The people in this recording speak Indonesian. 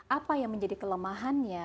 apa yang menjadi kelemahannya